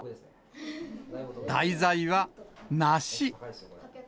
題材は梨。